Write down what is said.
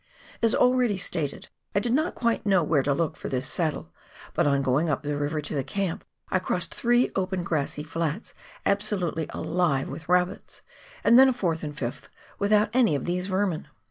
As already stated, I did not quite kuow where to look lor this sad dle, but on going up the river to the camp I crossed three open grass flats absolutely alive with rabbits, and then a fourth and fifth without any of these vermin.